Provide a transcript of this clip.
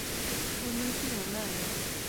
Fulu ipimo nang’o?